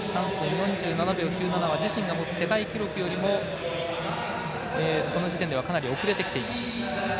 これは自身が持つ世界記録よりもこの時点ではかなり遅れてきている。